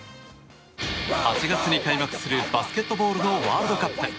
８月に開幕するバスケットボールのワールドカップ。